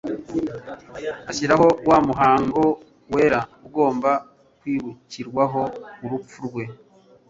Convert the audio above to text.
ashyiraho wa muhango wera ugomba kwibukirwaho urupfu rwe,